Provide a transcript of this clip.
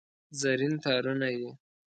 زرین تارونه یې